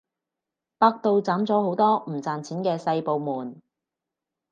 百度斬咗好多唔賺錢細部門